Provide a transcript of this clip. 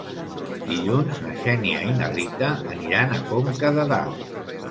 Dilluns na Xènia i na Rita aniran a Conca de Dalt.